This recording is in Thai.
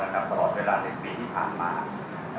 ตลอดเวลา๗ปีที่ผ่านมา